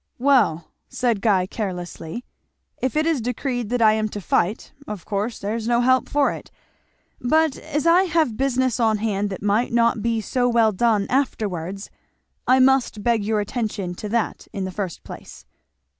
"Well," said Guy carelessly, "if it is decreed that I am to fight of course there's no help for it; but as I have business on hand that might not be so well done afterwards I must beg your attention to that in the first place."